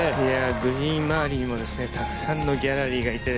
グリーン周りにもたくさんのギャラリーがいて